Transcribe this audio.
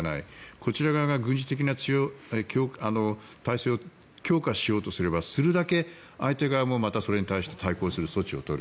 こちら側が軍事的な体制を強化しようとすればするだけ相手側も対抗する措置を取る。